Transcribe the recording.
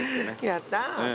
やったあ。